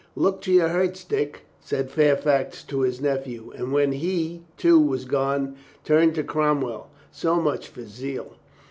"Look to your hurts, Dick," said Fairfax to his nephew, and when he, too, was gone turned to Cromwell. "So much for zeal!"